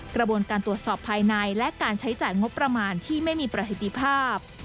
กระบวนการตรวจสอบภายในและการใช้จ่ายงบประมาณที่ไม่มีประสิทธิภาพ